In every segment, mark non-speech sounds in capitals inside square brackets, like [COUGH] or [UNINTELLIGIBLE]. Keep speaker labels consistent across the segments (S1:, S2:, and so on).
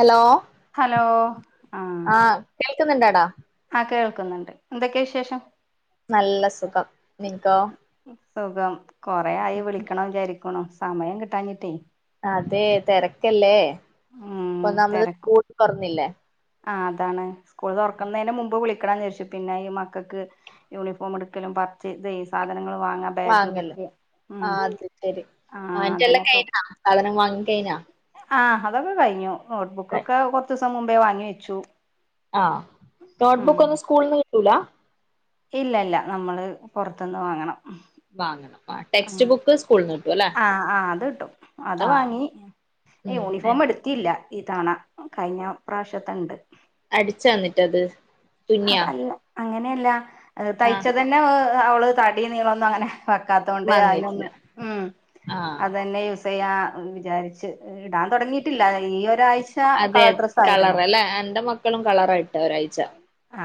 S1: Hello
S2: hello, ആഹ,
S1: കേൾക്കുന്നുണ്ടാടാ.
S2: ആ കേൾക്കുന്നുണ്ട്. എന്തൊക്കെയ വിശേഷം?
S1: നല്ല സുഖം നിൻക്കോ?
S2: സുഖം. കൊറെ ആയി വിളിക്കണം വിചാരിക്ണു സമയം കിട്ടാഞ്ഞിട്ടേ.
S1: അതെ തെരക്കല്ലേ
S2: ഉം
S1: ഇപ്പൊന്നാമത്
S2: തെരക്കും
S1: സ്കൂൾ തൊർന്നില്ലേ?
S2: ആ, അതാണ് സ്കൂൾ തൊർക്ക്ന്നെനു മുമ്പ് വിളിക്കണം വിചാരിചിനി. പിന്നെ ഈ മക്കൾക്ക് യൂണിഫോം എടുക്കലും പർചെയ്സേം സാധനങ്ങൾ വാങ്ങാൻ.
S1: വാങ്ങല്ലോആ അത് ശരി
S2: ആ
S1: വാങ്ങിറ്റല്ലാം കയിഞ്ഞ സാദനം വാങ്ങി കയ്ഞാ?
S2: ആഹ്, അതൊക്കെ കഴിഞ്ഞു. നോട്ട്ബുക്ക്ക്കൊക്കെ കൊർച്ചീസം മുമ്പേ വാങ്ങി വെച്ചു.
S1: ആഹ, നോട്ട്ബുക്ക് ഒന്നും സ്കൂളിൽ നിന്ന് കിട്ടൂല?
S2: ഇല്ലല്ല നമ്മള് പുറത്തുന്ന് വാങ്ങണം.
S1: വാങ്ങണം ആഹ് ടെക്സ്റ്റ്
S2: ആഹ,
S1: ബുക്ക് സ്കൂളിൽന്ന് കിട്ടും അല്ലേ
S2: ആ, അത് കിട്ടും അത്
S1: ആഹ്
S2: വാങ്ങി. ഹേയ്
S1: ഉം എ-
S2: യൂണിഫോം എടുത്തിയില്ല ഈതണ കഴിഞ്ഞ പ്രാവശ്യത്തണ്ട്.
S1: അടിച്ച എന്നിട്ട് അത്?
S2: അല്ല അങ്ങനെയല്ല
S1: ആഹ്
S2: തയ്ച്ച തന്നെ അവള് തടിയ നീളൊന്നും അങ്ങനെ. വക്കാതോണ്ട്
S1: വന്നിട്ടില്ല
S2: അയിനൊന്നും ഉം
S1: ആഹ്
S2: അതന്നെ വിചാരിച്ച് ഇടാൻ തൊടങ്ങിയിട്ടില്ല ഈ ഒരാഴ്ച.
S1: അതെ
S2: കളർ ഡ്രസ്സ് ആയിരുന്നു
S1: കളർ അല്ലേ. എന്റെ മക്കളും കളറായിട്ട ഒരാഴ്ച.
S2: ആ,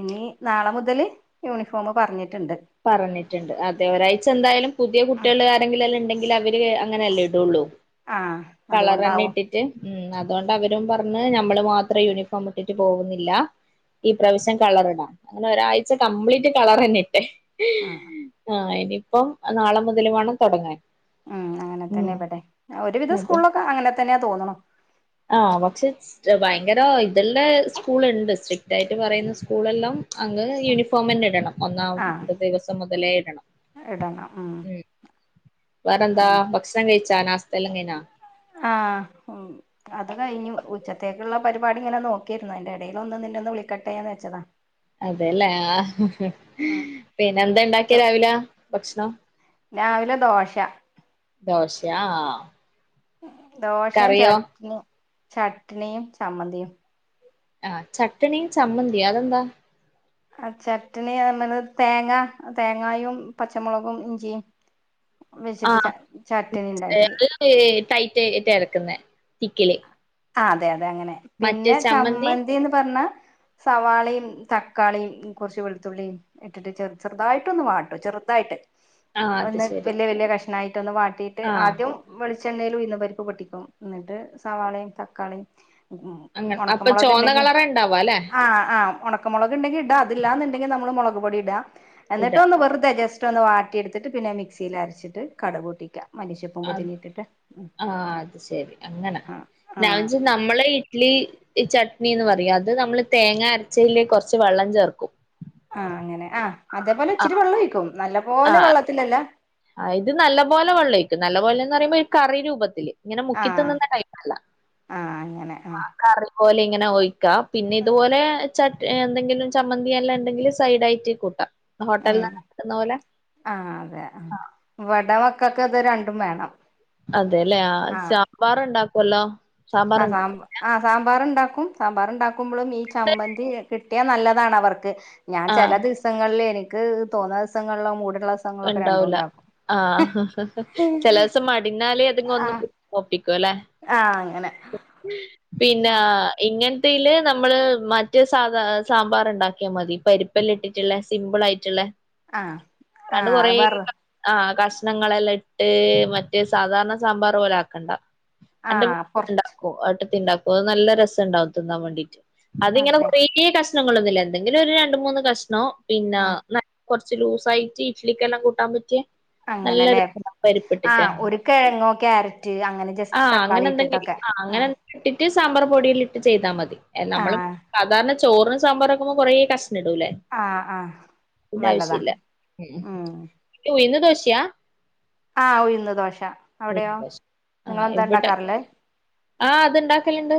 S2: ഇനി നാളെ മുതൽ യൂണിഫോം പറഞ്ഞിട്ടിണ്ട്.
S1: പറഞ്ഞിട്ടുണ്ട് അതെ. ഒരാഴ്ച എന്തായാലും പുതിയ കുട്ടികൾ ആരെങ്കിലല്ലാം ഉണ്ടെങ്കിൽ അവര് അങ്ങനെ അല്ലേ ഇടുള്ളൂ.
S2: ആ
S1: കളർന്നെ
S2: അതുകൊണ്ടാവും
S1: ഇട്ടിട്ട്. അതുകൊണ്ട് അവരും പറഞ്ഞ് നമ്മള് മാത്രം യൂണിഫോം ഇട്ടിട്ട് പോകുന്നില്ല. ഈ പ്രവിശ്യം കളർടാം അങ്ങനെ ഒരാഴ്ച കംപ്ലീറ്റ് കളർ തന്നെ ഇട്ടെ.
S2: ആ
S1: ആഹ, ഇനിയിപ്പം നാളെ മുതൽ വേണം തുടങ്ങാൻ.
S2: ഉം. അങ്ങനെ തന്നെ
S1: ഉം
S2: ഇവിടെ ഒരുവിധം സ്കൂളിലൊക്കെ അങ്ങനെ തന്നെയാ തോന്നണ.
S1: ആഹ, പക്ഷെ ഭയങ്കര ഇതല്ല സ്കൂൾളുണ്ട് സ്ട്രിക്ട് ആയിട്ട് പറയുന്ന സ്കൂൾ എല്ലാം. അങ്ങ്ന യൂണിഫോമ് തന്നെ ഇടണം ഒന്നാം
S2: ആ
S1: ദിവസം മുതലേ ഇടണം ഉം വേറെന്താ
S2: അങ്ങനെ
S1: ഭക്ഷണം കഴിച്ചാ നാസ്തെല്ലാം കഴിഞ്ഞാ
S2: ആഹ് അത് കഴിഞ്ഞു ഉച്ചത്തേക്കുള്ള പരിപാടി ഇങ്ങനെ നോക്കിയിരുന്നു അയ്ൻ്റെ എടേല് ഒന്ന് നിന്ന ഒന്ന് വിളിക്കട്ടേന്ന് വെച്ചതാ
S1: അതെല്ലേ ആഹ്
S2: ഉം
S1: പിന്നെ എന്തേ
S2: ചോ
S1: ഉണ്ടാക്കിയ രാവില ഭക്ഷണം
S2: രാവിലെ ദോശ
S1: ദോശാ
S2: ദോശേം ചട്നി ചട്നിയും ചമ്മന്തിയും
S1: ആഹ് ചട്ട്ണീം ചമ്മന്തി അതെന്താ
S2: ആഹ് ചട്ട്ണി ഏർന്നത് തേങ്ങ തേങ്ങയും പച്ച മൊളകും ഇഞ്ചിയും വെച്ചിട്ട് ചട്ട് ചട്ട്ണി ഉണ്ടാക്കി
S1: ഏ ടൈറ്റ് യെറ്റാ അരക്കുന്നേ തിക്കില്
S2: ആഹ് അതെ അതെ അങ്ങനെ.
S1: മറ്റേ
S2: പിന്നെ
S1: ചമ്മന്തി
S2: ചമ്മന്തീന്ന് പറഞ്ഞാ സവാളയും തക്കാളിയും കൊറച്ച് വെളുത്തുള്ളിയും ഇട്ടിട്ട് ചെറ് ചെുതായിട്ട് ഒന്ന് വാട്ടും ചെറുതായിട്ട്
S1: ആഹ് അത്
S2: ഒന്ന്
S1: ശരി
S2: വല്യ വല്യ കഷ്ണമായിട്ടൊന്ന് വാട്ടീട്ട്
S1: ആഹ്
S2: ആദ്യം വെളിച്ചെണ്ണേല് ഉഴ്ന്ന് പരിപ്പ് പൊട്ടിക്കും എന്നിട്ട് സവാളയും തക്കാളിയും ഉം
S1: അങ്ങനെ
S2: ഒണക്ക
S1: അപ്പൊ
S2: മൊളക്
S1: ചോന്ന
S2: ഇണ്ടങ്കി
S1: കളറ് ഇണ്ടാവാ അല്ലെ
S2: ആഹ് ആഹ് ഒണക്ക് മൊളക് ഇണ്ടെങ്കി ഇടാ അതില്ലാന്നുണ്ടെങ്കി നമ്മള് മൊളക് പൊടി ഇടാ
S1: ഇട
S2: എന്നിട്ട് ഒന്ന് വെറ്തെ ജസ് റ്റൊന്ന് വാട്ടി എടുത്തിട്ട് പിന്നെ മിക്സിയിൽ അരച്ചിട്ട് കട പൂട്ടിക്കാ
S1: അത് ആഹ് അത് ശെരി അങ്ങന
S2: ആ ആ
S1: നാൻവെജ് നമ് നമ്മള് ഇഡ്ലി ഈ ചട്നി എന്ന് പറയും അത് നമ്മള് തേങ്ങ അരച്ചേല് കൊറച്ച് വെള്ളം ചേർക്കും
S2: ആഹ് അങ്ങനെ ആഹ് അതേപോലെ ഇച്ചിരി
S1: ആഹ്
S2: വെള്ളം ഒഴിക്കും നല്ല പോലെ വെള്ളത്തിലല്ല
S1: അഹ് ഇത് നല്ലപോലെ വെള്ളം ഒഴിക്കും നല്ല പോലെന്ന് പറയുമ്പ ഈ കറി രൂപത്തില്. ഇങ്ങന മുക്കി
S2: ആഹ്
S1: തിന്ന്ന്ന ടൈ അല്ല
S2: ആഹ് അങ്ങനെ
S1: ആഹ് കറി പോലെ ഇങ്ങനെ ഒഴിക്കാ പിന്നെ ഇതുപോലെ ചട്ട് ഏഹ് എന്തെങ്കിലും ചമ്മന്തി എല്ലാം ഉണ്ടെങ്കില് സൈഡായിറ്റ് കൂട്ടാം
S2: ഉം
S1: ഹോട്ടല്ലന്ന് തിന്ന പോലെ
S2: ആഹ് അതെ ആഹ് ഇവടെ മക്കക്ക് അത് രണ്ടും വേണം
S1: അതെല്ലേ അഹ്
S2: ആഹ്
S1: സാമ്പാർ ഉണ്ടാക്കോല്ലോ
S2: ആഹ് സാമ്പ ആഹ് സാമ്പാറ് ഉണ്ടാക്കും സാമ്പാറ് ഉണ്ടാക്കുമ്പൊളും ഈ ചമ്മന്തി യെ കിട്ട് കിട്ടിയാ നല്ലതാണ് അവർക്ക്. ഞാൻ
S1: ആ
S2: ചെല ദിവസങ്ങളില് എനിക്ക് തോന്നുന്ന ദിവസങ്ങളില മൂടുളള ദിസ
S1: ഇണ്ടാവൂല ആഹ് ചെല ദിവസം മടിന്നാല് അതിങ്ങെ ഒന്നും.
S2: ആഹ്
S1: ഒപ്പിക്കും അല്ലേ
S2: ആഹ് അങ്ങനെ
S1: പിന്നാ
S2: ആഹ്
S1: ഇങ്ങനത്തേല് നമ്മള് മറ്റേ സാധാ സാമ്പാറ് ഇണ്ടാക്കിയാ മതി പരിപ്പ് എല്ലാ ഇട്ടി മറ്റ്ള്ളേ സിമ്പിള് ആയിട്ടുള്ളേ
S2: ആഹ്
S1: ഏതാണ്ട് കൊറേ
S2: ആഹ് വറ
S1: ആഹ് കഷ്ണങ്ങളെല്ലാം ഇട്ട് മറ്റേ സാധാരണ സാമ്പാർ പോലെ ആക്കണ്ട എന്റെ വ്
S2: ആഹ് കൊറച്ച്
S1: ഇണ്ടാക്കും ഏട്ടത്തി ഇണ്ടാക്കു അത് നല്ല രസം ഉണ്ടാവും തിന്നാൻ വേണ്ടീട്ട് അതിങ്ങനെ
S2: അതെ
S1: കൊറേ കഷ്ണങ്ങളൊന്നുമില്ല എന്തെങ്കിലും ഒരു രണ്ട് മൂന്ന് കഷ്ണോ പിന്നാ
S2: ആഹ്
S1: നൽ കൊറച്ച് ലൂസായിട്ട് ഇഡ്ലിക്കെല്ലാം കൂട്ടാൻ പറ്റിയ നല്ലൊ രസം പരിപ്പ് ഇട്ടിട്ട്
S2: കെഴങ്ങോ ക്യാരറ്റ് അങ്ങനെ ജസ്റ്റ്
S1: ആഹ്
S2: തക്കാളി
S1: അങ്ങനെ എന്തെങ്കിലും
S2: ഇട്ടിട്ടൊക്കെ
S1: ആഹ് അങ്ങനെ ഇട്ടിട്ട് സാമ്പാറ് പൊടീല് ഇട്ട് ചെയ്താ മതി. നമ്മളും സാധാരണ ചോറ്ന് സാമ്പാറ് വെക്കുമ്പോ കൊറേ കഷ്ണം ഇടൂല്ലേ
S2: ആഹ് ആഹ് നല്ലതാ ഉം
S1: ഈ ഉയുന്ന് ദോശയാ
S2: ആഹ് ഉഴ്ന്ന് ദോശ അവിടെയോ
S1: ഉഴുന്ന് ദോശ ആ
S2: നിങ്ങളെന്താ
S1: ഇവിടെ
S2: ഇണ്ടാക്കാറ് ഉള്ളേ
S1: ആഹ് അത് ഉണ്ടാക്കലുണ്ട്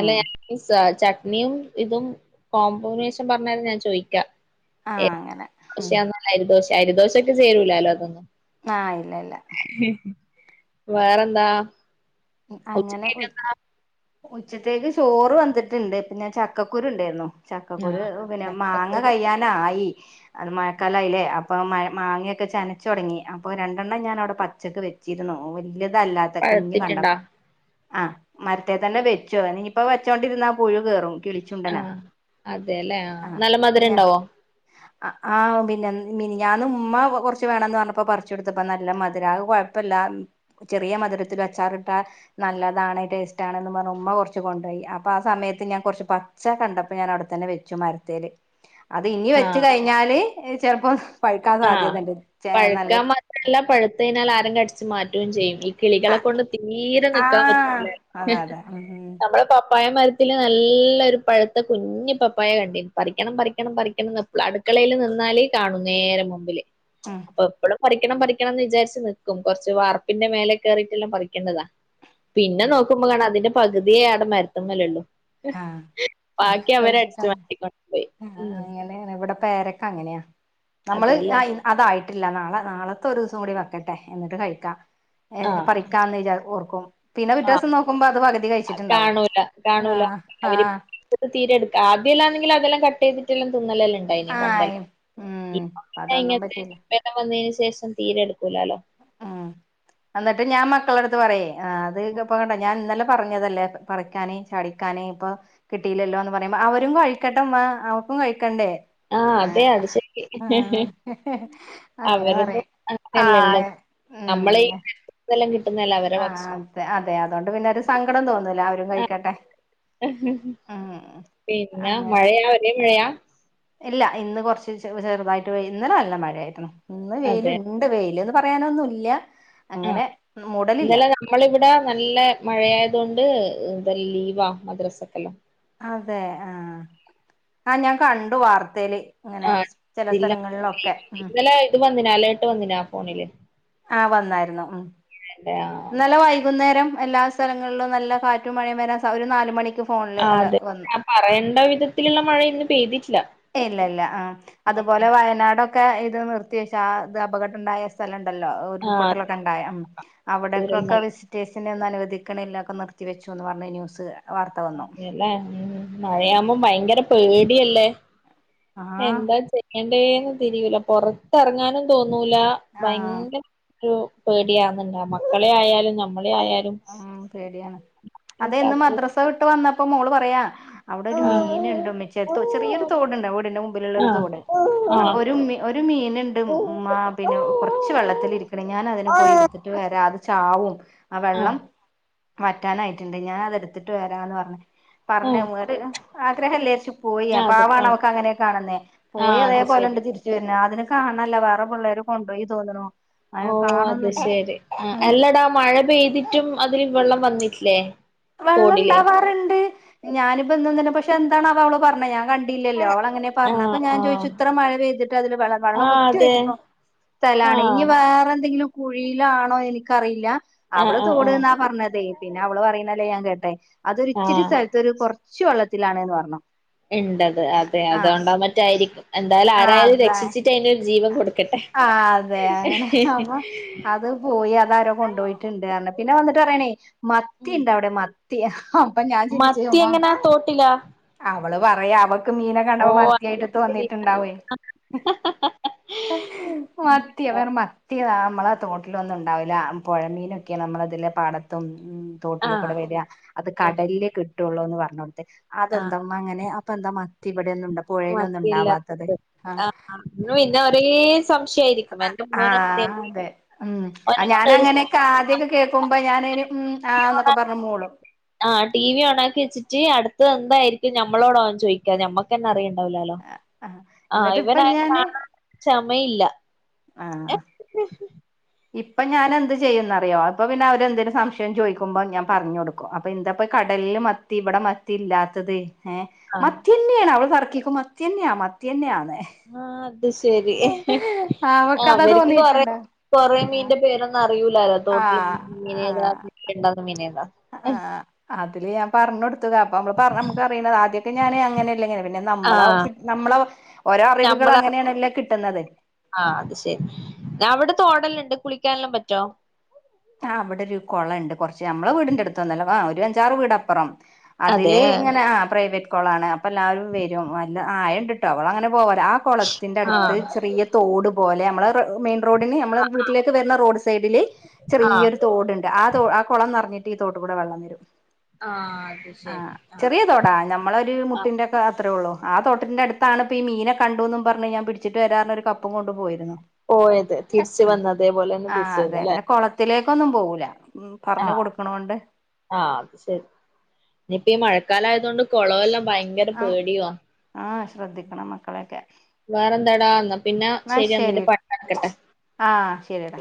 S1: അല്ല ഞാനീ ചട്നിയും ഇതും കോമ്പോനേഷൻ പറഞ്ഞാല് ഞാൻ ചോദിക്കാ ഏ
S2: ആഹ് അങ്ങനെ ഉം
S1: പക്ഷെ അരിദോശ അരിദോശക്ക് ചേരൂലാലോ അതൊന്നും
S2: ആഹ് ഇല്ല ഇല്ല
S1: വേറെന്താ
S2: അങ്ങനെ ഉ
S1: ഉച്ചക്കേക്ക്
S2: ഉച്ചത്തേക്ക് ചോറ് വെന്തിട്ട്ണ്ട് പിന്നെ ചക്കക്കുരുണ്ടേര്ന്നു ചക്കക്കുരു
S1: ആഹ്
S2: പിന്നെ മാങ്ങ
S1: ചക്കക്കുരു
S2: കയ്യാനായി അത് മഴക്കാലായീലെ അ ഇപ്പം മഴ മാങ്ങയൊക്കെ ചെനച്ചൊടങ്ങി അപ്പോ രണ്ടെണ്ണം ഞാനവ്ടെ പച്ചക്ക് വെച്ചിര്ന്നു വലിയതല്ലാത്ത
S1: പഴുത്തിട്ട്ണ്ടാ?
S2: അഹ് മരത്തെ തന്നെ വെച്ചോ ഇനിയിപ്പ വെച്ചോണ്ടിരുന്നാ പുഴു കേറും കിളിച്ചുണ്ടനാ
S1: ആഹ് അതേലേ ആ നല്ല മധുരണ്ടാവോ
S2: അ ആഹ് പിന്നെ മിനിഞാന്ന് ഉമ്മ കൊറച്ച് വേണംന്ന് പറഞ്ഞപ്പൊ പറിച്ച് കൊട്ത്തപ്പ നല്ല മധുരാ ആകെ കൊ കെയ്പ്പല്ല ചെറിയ മധുരത്തിലും അച്ചാറിട്ട നല്ലതാണ് ടേസ്റ്റാണെന്ന് പറഞ്ഞ് ഉമ്മ കൊർച്ച് കൊണ്ടോയി അപ്പം ആ സമയത്ത് ഞാൻ കൊർച്ച് പച്ച കണ്ടപ്പൊ ഞാൻ അവ്ടത്തന്നെ വെ വെച്ചു മരത്തില് അത് ഇനി വെച്ച്
S1: ആഹ്
S2: കഴിഞ്ഞാല് ചെലപ്പോ പഴുക്കാൻ
S1: ആഹ്
S2: സാധ്യതണ്ട് ചെ
S1: പഴുക്കാൻ
S2: നല്ല
S1: മാത്രല്ല പഴുത്ത് കഴിഞ്ഞാൽ ആരും അടിച്ച് മാറ്റുവേം ചെയ്യും ഇ
S2: ആ
S1: കിളികളെ കൊണ്ട് തീരെ
S2: ആ
S1: നിക്കാൻ പറ്റൂല
S2: അതെ അതെ ഉം
S1: നമ്മളെ പപ്പായ മരത്തില് നല്ലൊരു പഴുത്ത കുഞ്ഞു പപ്പായ കണ്ടീന് പറിക്കണം പറിക്കണം പറിക്കണംന്ന് അടുക്കളയില് നിന്നാല് കാണും നേരെ മുമ്പില്
S2: ഉം
S1: അപ്പം എപ്പളും പറിക്കണം പറിക്കണംന്ന് വിചാരിച്ച് നിക്കും കൊറച്ച് വാർപ്പിന്റെ മേലെ ക്കേറീട്ടെല്ലാം പറിക്കണ്ടതാ പിന്നെ നോക്കുമ്പൊളാണ് അതിന്റെ പകുതിയെ അവിടെ മരത്ത്മ്മലൊള്ളു
S2: ആ ആ
S1: ബാക്കി അവരടിച്ച് മാറ്റിക്കൊണ്ട് പോയി ഉം
S2: എങ്ങനെ ഇവ്ടെ പേരക്കങ്ങനെയാ നമ്മള്
S1: അതെല്ലേ
S2: അ അതായിട്ടില്ല നാളെ നാളത്തെ ഒരൂസം കൂടി വെക്കട്ടെ എന്നിട്ട് കഴിക്കാം ഏഹ്
S1: ആഹ്
S2: പറിക്കാന്ന് വിചാ ഓർക്കും പിന്നെ പിറ്റേ
S1: ആഹ്
S2: ദിവസം നോക്കുമ്പോ അത് പകുതി കഴിച്ചിട്ടുണ്ടാവും
S1: കാണൂല കാണൂല
S2: ആഹ്
S1: അവര്
S2: ആഹ്
S1: തീരെടുക്ക ആദ്യം എല്ലാണെങ്കില് അതെല്ലാം കട്ടെയ്തിട്ടെല്ലാം തിന്നലന്നേണ്.
S2: ആയി ഉം അതൊന്നും
S1: ഇങ്ങനത്തെ
S2: പറ്റിയില്ല.
S1: വന്നതിന് ശേഷം തീരെടുക്കൂലാല്ലോ.
S2: ആഹ് എന്നിട്ട് ഞാൻ മക്കളെടുത്ത് പറയെ, ആ അത് ഇപ്പ കണ്ട ഞാൻ ഇന്നലെ പറഞ്ഞതല്ലേ പറിക്കാന് ചാടിക്കാന് ഇപ്പോ കിട്ടിയില്ലല്ലോന്ന് പറയുമ്പോ അവരും കഴിക്കട്ടുമ്മ അവർക്കും കഴിക്കണ്ടേ.
S1: ആഹ് അതെ അത് ശരി ഹി ഹി
S2: ആഹ് അങ്ങനെ
S1: അവരത്
S2: പറയും
S1: അങ്ങനല്ലല്ലോ.
S2: ആഹ് ഉം
S1: നമ്മള് [UNINTELLIGIBLE]
S2: ആഹ് അതെ അതെ അതോണ്ട് പിന്നൊരു സങ്കടം തോന്നൂല്ല അവരും കഴിക്കട്ടെ.
S1: ഇഹ്
S2: ഉം
S1: പിന്നെ
S2: അങ്ങനെ
S1: മഴയാ ഒരേ മഴയാ?
S2: ഇല്ല ഇന്ന് കൊറച്ച് ചെറുതായിട്ട് പെയ് ഇന്നലെ നല്ല മഴയായിരുന്നു ഇന്ന് വെയ്‌ല്
S1: അതെ
S2: ഇണ്ട്. ഇണ്ട് വെയ്‌ല്ന്ന് പറയാനൊന്നുല്ല
S1: ആഹ്
S2: അങ്ങനെ മൂടലില്ല.
S1: ഇന്നലെ നമ്മളിവിടെ നല്ല മഴയാത് കൊണ്ട് എന്താ ലീവാ മദ്രസക്കെല്ലാം.
S2: അതെ ആഹ് ആഹ് ഞാൻ കണ്ടു വാർത്തേല്. അങ്ങനെ
S1: ആഹ്
S2: ചെല
S1: ജില്ല
S2: സ്ഥലങ്ങളിലൊക്കെ ഉം.
S1: ഇന്നലെ ഇത് വന്നിനാ അലേർട്ട് വന്നിനാ ഫോണില്?
S2: ആഹ് വന്നായിരുന്നു ഉം.
S1: ഇതന്നെ ആഹ്.
S2: ഇന്നലെ വൈകുന്നേരം എല്ലാ സ്ഥലങ്ങളിലും നല്ല കാറ്റും മഴയും വരാൻ സ ഒരു നാല് മണിക്ക് ഫോണില് അലർട്ട് വന്നു.
S1: പറയണ്ട വിധത്തിലുള്ള മഴ ഇന്ന് പെയ്തിട്ടില്ല.
S2: ഇല്ലില്ല ആഹ് അതുപോലെ വയനാടൊക്കെ ഇത് നിർത്തിവെച്ച് ആ ഇത് അപകടണ്ടായ സ്ഥലണ്ടല്ലോ
S1: ആഹ്
S2: ഉരുൾപൊട്ടലൊക്കെണ്ടായ ഉം അവിടക്കൊക്കെ
S1: ചൂരൽമല
S2: വിസി വിസിറ്റെർസിനെ ഒന്നും അനുവദികണില്ല ഒക്കെ നിർത്തി വെച്ചുന്ന് പറഞ്ഞ് ന്യൂസ് വാർത്ത വന്നു
S1: അതെലേ ഉം
S2: ഉം
S1: മഴയാവുമ്പം ഭയങ്കര പേടിയല്ലേ
S2: ആഹ്
S1: എന്താ ചെ എന്തേന്ന് തിരിയൂല പൊറത്തെറങ്ങാനും തോന്നൂല
S2: ആഹ്
S1: ഭയങ്കര ഒരു പേടിയാന്ന്ണ്ടാ മക്കളെ ആയാലും നമ്മളെ ആയാലും
S2: ഉം പേടിയാണ് അതെ ഇന്ന് മദ്രസ വിട്ട് വന്നപ്പോ മോള് പറയാ അവിടെ ഒരു മീൻ ഉണ്ട്
S1: ആഹ്
S2: ഉമ്മച്ചേ ചെറിയൊരു തോടുണ്ട് ആ വീടിന്റെ മുമ്പിലുള്ള ഒരു തോട്
S1: ആഹ്
S2: അപ്പൊ
S1: ആഹ്
S2: ഒരു ഉമ്മി ഒരു മീനുണ്ട് മ്മാ പിന്നെ കൊറച്ച് വെള്ളത്തിലിരിക്കണെ ഞാൻ അതിനെ പോയി എടുത്തിട്ട് വരാം അത് ചാവും ആഹ് വെള്ളം മറ്റാനായിറ്റ്ണ്ട് ഞാഅത്ട്ത്ത്ട്ട് വരാന്ന് പറഞ് പറഞ്ഞ
S1: ആഹ്
S2: ഒര്അ ആഗ്രഹല്ലേച്ചും പോയി
S1: അതിപ്പണ്ട്
S2: അപാവളവ്ക്ക് അങ്ങനെ കാണുന്നെ പോയി
S1: ആഹ് അത് ശരി
S2: അതേപോലെണ്ട് തിരി ച്ച് വര്ന് അത് നെകാണല്ല വേറെ പ്ള്ളേര് കൊണ്ടോയി തോന്ന്ണു
S1: ഓ അത് ശെരി എല്ലടാ മഴ പെയ്തിറ്റും അതില് വെള്ളം വന്ന്ട്ട്ലേ
S2: വെള്ളംണ്ടാവാറ്ണ്ട് ഞാനിപ്പന്നും ന്നലെ പക്ഷെ എന്താണാവോ അവള് പറണ ഹ് ഞാകൺ ടില്ലല്ലോ അവള അങ്ങനെ
S1: ആഹ്
S2: പർണപ്പ ഞാൻ
S1: ആഹ്
S2: പോയിച്ചു ഇത്ര മഴ പെയ്തിട്ട് അദ്ല് വെള്ളം
S1: ആഹ് അതെ
S2: വെള്ളംകുത്തിഴുകി പോ സ്ഥലാണ് ഇഞി
S1: ആഹ്
S2: വേറെന്തെങ്കിലും കുഴിയിലാണോ എനിക്കറിയില്ല
S1: ആഹ്
S2: അവള്
S1: ആഹ് ആഹ്
S2: തോട്ന്നാ പറഞ്ഞതെയ് പിന്നെ അവള് പറയുന്ന ല്ലേഞാകേട്ടെ അതൊര്ച്ചിരി
S1: ആഹ്
S2: സൽത്തൊരു കൊറച്ച് വള്ളത്തിലാണ് ന്ന് പർണു
S1: എണ്ടത് അതെ അതോണ്ടാ മറ്റായിരിക്കും എന്തായാലു
S2: ആഹ്
S1: ആരായാലു
S2: അതാ
S1: രക്ഷിച്ചിട്ടയിന രു ജീവൻ കൊടുക്കട്ടെ
S2: ആഹ് അതെ അങ്ങനെ അപ്പൊ അത് പോയി അതാരോ കൊണ്ടോയിറ്റ്ണ്ട്ർ ണു പിന്നെ വന്നിട്ട് പറ്യേണേയ് മത്തി
S1: ഉം
S2: ണ്ടവ്ടെ മത്തി ഹോ പ്പഞാൻ ചിന്തിച് ഒമാ
S1: അതോട്ടിലാ
S2: അവള് പറയാ അവൾക്ക് മീന കണ്ടപ്പോ മത്തിയായിട്ട് തോന്നിട്ടുണ്ടാവോയ്
S1: ഹ ഹ ഹ
S2: ഉ മത്തിയോ വേറെ മത്തിയതാമ്മളെ തോട്ടിലൊന്നുണ്ടാവുല പൊഴമീനൊക്കെയലമ്മള് തില് പാട ത്തും ഉം
S1: ആഹ്
S2: തോട്ടിലക്കതാ വര്യാ അത്
S1: ഇത്
S2: കടൽലേ കിട്ടൊള്ളൂന്ന് പർഞ്ഞോ ട്ത്തെ
S1: ആഹ്
S2: അതെന്തം അങ്ങനെ അപ്പെന്താ മത്തി ഇവടൊന്നും ഇണ്ട പുഴയിലൊന്നും ഇണ്ടാവാത്തത് ആഹ്
S1: നൂ ഇന്ന ഒരേസ് സംശയാരി
S2: ആഹ് അതെ ഉം
S1: ഓനെ
S2: ഞാന
S1: കൊണ്ട് ഒരു
S2: അങ്ങനെക്ക ആദ്യൊക്ക കേക്കുമ്പൊ ഞാനയിന് ഉം ആഹ് ന്നൊക്ക പർഞ്ഞ് മൂളും
S1: ആഹ് ട്ടീ വി ഓണാക്കി വെച്ട്ട് അടുത്ത എന്തായിരിക്കും ഞമ്മളോട അവൻ ചോയിക്ക ഞമ്മക്കെന്നെ അറിയണ്ടാവുലാലൊ
S2: ആ
S1: ആഹ്
S2: എന്നിട്ട് ഇപ്പൊ
S1: ഇവനെ കാണാൻ ക്ഷമയില്ല
S2: ആഹ്
S1: [INAUDIBLE]
S2: ഇപ്പ ഞാനെന്ത് ചെയ്യുന്നറിയൊ അപ്പൊ പിന്നെ അവരെന്തേലും സംശയം ചോയിക്കുമ്പൊ ഞാൻ പറഞ്ഞൊട് ക്കു അപ്പൊ എന്താപ്പ കടൽല് മത്തി ഇവടെ മത്തി ഇല്ലാത്തത് ഏഹ്
S1: ആഹ്
S2: മത്തിയെന്നേണ് അവള് തർക്കിക്കും മത്തിയെന്ന്യാ മത്തിയെന്ന്യാന്ന്
S1: ആഹ് അത് ശരി
S2: അവക്കതാ
S1: അവർക്ക് കൊറേ
S2: തോന്നിയിട്ടുണ്ടോ
S1: കൊറേ
S2: ആഹ്
S1: മീൻന്റെ പേര് അറിയൂലാലൊ തോട്ട്ലെ മീനേത
S2: ആഹ്
S1: [UNINTELLIGIBLE] ണ്ടാവ്ന്ന മീനേത
S2: ആഹ് അതില് ഞാൻ പറഞ്ഞൊട്ത്തത അപ്പൊ നമ്മള് പർ നമ്മക്ക് അറിയ്ണത ആദ്യൊക്ക ഞാന് അങ്ങനെല്ല ഇങ്ങനെ പിന്നെ നമ്മളവ
S1: ആഹ്
S2: നമ്മളവ ഓരൊ അറിവ്കള്
S1: നമ്മള
S2: അങ്ങനെണല്ലൊ കിട്ട്ന്നത്
S1: ആഹ് അത് ശരി. അവടെ തോടെല്ലണ്ട് കുളിക്കാനെല്ല പറ്റൊ
S2: ആഹ് ഇവടൊരു കൊളണ്ട് കൊറ്ച്ച് ഞമ്മളെ വീടിന്റ അടുത്തൊന്നല്ല ആഹ് ഒരു അഞ്ചാറ് വീടപ്പറാണ് അതില്
S1: അതെ
S2: ഇങ്ങന ആഹാ പ്രൈവറ്റ് കൊളാണ് അപ്പ എല്ലാരും വരും അല്ല ആയണ്ട്ട്ട അവള അങ്ങനെ പോവല ആഹ് കൊളത്തിന്റെ അട്ത്ത്
S1: ആഹ്
S2: ചെറിയ തോട് പോലെ നമ്മള റ മെയി റോഡിന് ഞമ്മള
S1: ആഹ്
S2: വീട്ടിലേക്ക് വര്ന്ന റോഡ് സൈഡില് ചെറിയൊ
S1: ആഹ്
S2: തോട്ണ്ട് ആഹ് ആഹ് കൊളം നെറ്ഞ്ഞ്ട്ട് ഈ തോട്ട് കുട വള്ളം വരും
S1: ആഹ് അത് ശരി ആഹ്
S2: തൊടാനം നമ്മളൊര്
S1: ആഹ്
S2: മുട്ടിന്റൊക്ക അത്രെള്ളു ആഹ് തോട്ടിന്റ അട്ത്താണ് ഇപ്പ ഈമീനെ കണ്ടൂന്നും പർഞ്ഞ് ഞാൻ പിടിച്ചിട്ട് വരാർഞ് ഒര് കപ്പ് പ്പും കൊണ്ട് പോയിര്ന്നു
S1: പോയത് തിരിച്ച് വന്ന് അതേപോലന്നെ തിരിച്ച് വന്ന് അലെ
S2: ത്തിലേക്കൊന്നും പോവൂല ഉം പർഞ്ഞ്
S1: ആഹ്
S2: കൊടുക്ക്ണോണ്ട്.
S1: ആഹ് അത് ശരി ഇനിയിപ്പ ഈ മഴക്കാലയത് കൊണ്ട് കൊളവെല്ല ഭയ ങ്കര പേടിയുവ
S2: ആഹ് ശ്രദ്ധിക്കണം മക്കളെയൊക്കെ
S1: വേറെന്താടാ ഇന്ന പിന്ന ശരി ഇന്നന്റെ പണി നടക്കട്ടെ.
S2: ആഹ് ശെരിയെട.